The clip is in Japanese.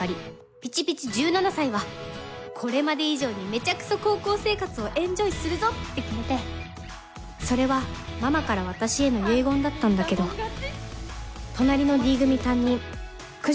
ピチピチ１７歳はこれまで以上にめちゃくそ高校生活をエンジョイするぞって決めてそれはママから私への遺言だったんだけど隣のＤ組担任九条